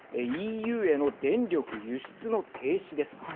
ＥＵへの電力輸出の停止です。